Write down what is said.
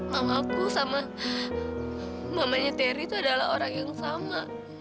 mamaku sama mamanya terry itu adalah orang yang sama